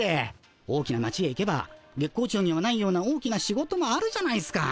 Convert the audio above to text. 大きな町へ行けば月光町にはないような大きな仕事もあるじゃないっすか。